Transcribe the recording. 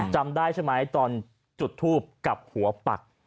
จำได้ใช่ไหมตอนจุดทูปกับหัวปัก